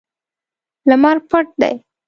لمر پټ دی